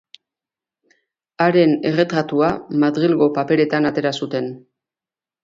Haren erretratua Madrilgo paperetan atera zuten.